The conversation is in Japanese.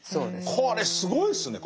これすごいですね。